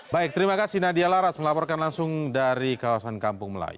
baik terima kasih nadia laras melaporkan langsung dari kawasan kampung melayu